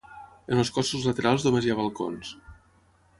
En els cossos laterals només hi ha balcons.